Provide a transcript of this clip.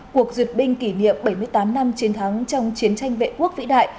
cuộc duyệt binh kỷ niệm bảy mươi tám năm chiến thắng trong chiến tranh vệ quốc vĩ đại